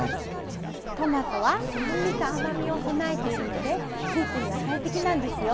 トマトは酸味と甘みを備えているのでスイーツには最適なんですよ。